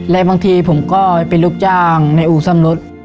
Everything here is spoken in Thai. และบางทีผมก็เป็นลูกจ้างในอู่ซ่อมรถ